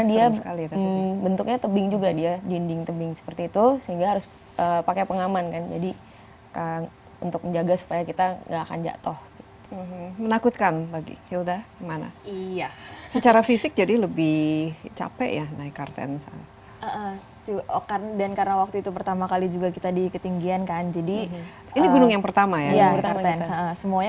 bincang bincang dengan dua pendaki perempuan indonesia yang perkasa untuk menceritakan pengalaman pendaki puncak gunung lainnya